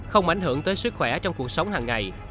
không ảnh hưởng tới sức khỏe trong cuộc sống hàng ngày